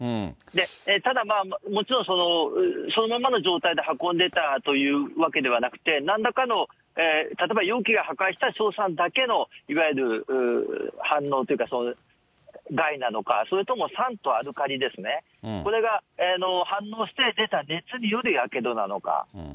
ただ、もちろんそのまんまの状態で運んでたというわけではなくて、なんらかの例えば容器が破壊した硝酸だけのいわゆる反応というか害なのか、それとも酸とアルカリですね、これが反応して出た熱によるやけどなのか。